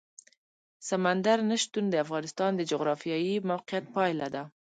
سمندر نه شتون د افغانستان د جغرافیایي موقیعت پایله ده.